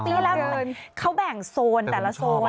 ปีแล้วเขาแบ่งโซนแต่ละโซน